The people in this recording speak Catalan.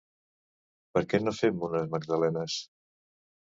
Per què no fem unes magdalenes?